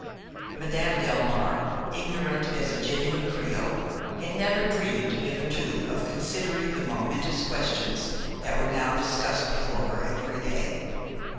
Madame Delmare, ignorant as a genuine creole, had never dreamed hitherto of considering the momentous questions that were now discussed before her every day.